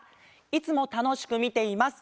「いつもたのしくみています！